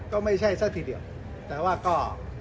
ก็ไม่ใช่ซะทีเดียวแต่ว่าก็